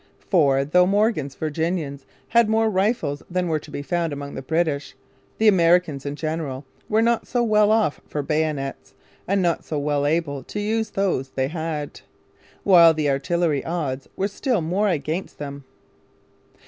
For, though Morgan's Virginians had many more rifles than were to be found among the British, the Americans in general were not so well off for bayonets and not so well able to use those they had; while the artillery odds were still more against them.